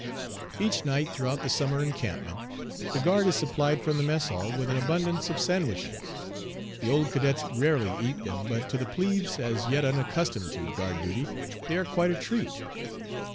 Each night throughout the summer encampment, the guard is supplied from the mess hall with an abundance of sandwiches. The old cadets rarely eat them, but to the plebes, as yet unaccustomed to guard duty, they are quite a treat.